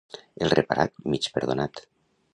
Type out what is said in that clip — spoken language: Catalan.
El reparat, mig perdonat.